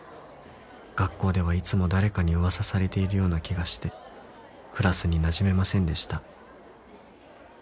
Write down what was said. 「学校ではいつも誰かに噂されているような気がして」「クラスになじめませんでした」